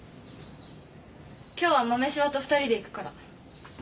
今日はマメシバと２人で行くから。